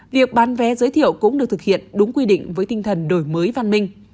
việc bán vé giới thiệu cũng được thực hiện đúng quy định với tinh thần đổi mới văn minh